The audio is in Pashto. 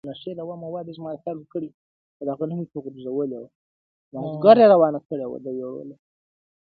چي له ډېري خاموشۍ یې غوغا خېژې,